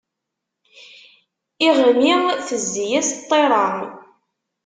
Iɣmi, tezzi-yas ṭṭiṛa.